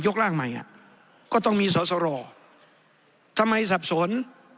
ร่างใหม่อ่ะก็ต้องมีสอสรทำไมสับสน